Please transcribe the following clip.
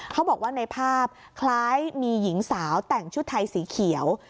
เขาบอกว่าในภาพคล้ายมีหญิงสาวแต่งชุดไทยสีเขียว